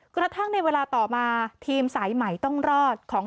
กระทั่งในเวลาต่อมาทีมสายใหม่ต้องรอดของ